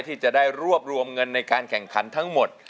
ที่จะได้รวบรวมเงินในการแข่งขันทั้งหมด